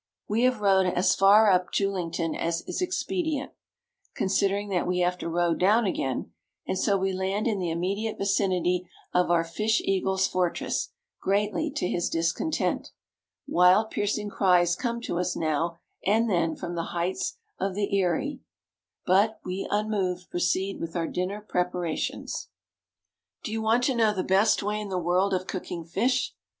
We have rowed as far up Julington as is expedient, considering that we have to row down again; and so we land in the immediate vicinity of our fish eagle's fortress, greatly to his discontent. Wild, piercing cries come to us now and then from the heights of the eyry; but we, unmoved, proceed with our dinner preparations. Do you want to know the best way in the world of cooking fish?